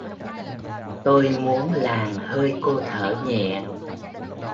Tôi muốn làn hơi cô thở nhẹ.